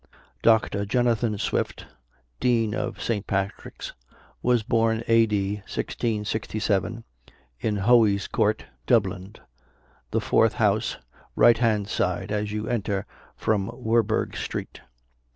Dr. Jonathan Swift, Dean of St. Patrick's, was born A.D. 1667, in Hoey's Court, Dublin, the fourth house, right hand side, as you enter from Werburgh street.